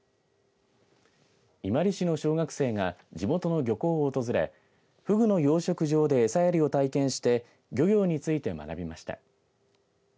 伊万里市の小学生が地元の漁港を訪れフグの養殖場で餌やりを体験して漁業について学びました。